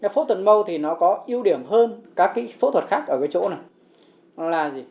phẫu thuật mose có ưu điểm hơn các phẫu thuật khác ở chỗ này